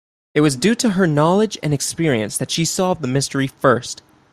It was due to her knowledge and experience that she solved the mystery first.